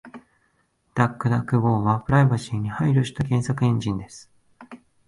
DuckDuckGo はプライバシーに配慮した検索エンジンです。